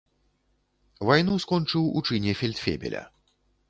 Вайну скончыў у чыне фельдфебеля.